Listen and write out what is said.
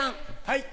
はい。